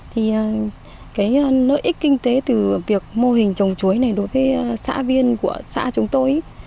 thì cái nợ ích kinh tế từ việc mô hình trồng chuối này đối với xã viên của xã chúng tôi